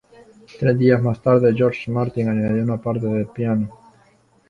Tres días más tarde, George Martin añadió una parte de piano.